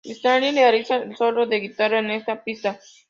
Stradlin realiza el solo de guitarra en esta pista.